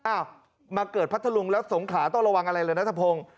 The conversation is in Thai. อ้าวมาเกิดพัทธลุงแล้วสงขาต้องระวังอะไรเลยนัทพงศ์